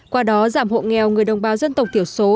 qua đó giảm hộ nghèo người đồng bào dân tộc thiểu số